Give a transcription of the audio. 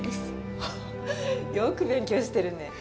よく勉強してるね。